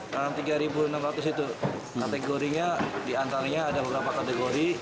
dalam tiga enam ratus itu di antaranya ada beberapa kategori